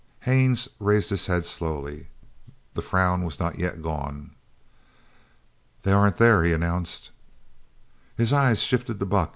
Haines raised his head slowly. The frown was not yet gone. "They aren't there," he announced. His eyes shifted to Buck.